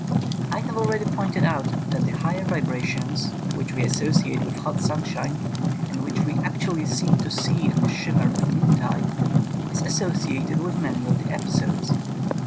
I have already pointed out that the higher vibrations which we associate with hot sunshine, and which we actually seem to see in the shimmer of noontide, is as sociated with many of the episodes.